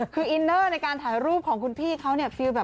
คืออินเนอร์ในการถ่ายรูปของคุณพี่เขาเนี่ยฟิลแบบ